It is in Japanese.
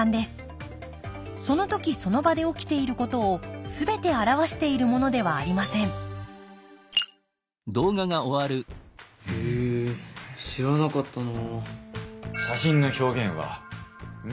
その時その場で起きていることをすべて表しているものではありませんへえ知らなかったな。